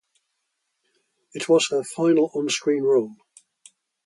It was her final onscreen role.